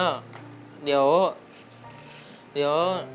เดี๋ยวเดี๋ยว